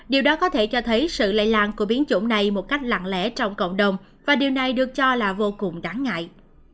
điều đó có thể cho thấy sự lây lan của biến chủng này một cách lặng lẽ trong cộng đồng và điều này được cho là vô cùng đáng ngại